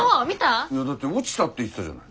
いやだって落ちたって言ってたじゃない。